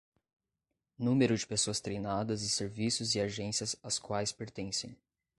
Número de pessoas treinadas e serviços e agências às quais pertencem.